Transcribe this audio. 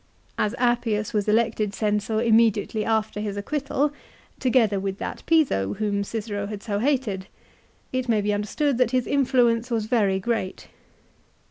As Appius was elected Censor immediately after his acquittal, together with that Piso whom Cicero had so hated, it may be understood that his influence was very great.